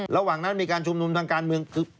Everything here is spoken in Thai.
ระหว่างนั้นมีการชุมนุมทางการเมืองคือ